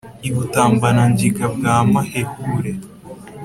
i butambana-ngiga bwa mahehure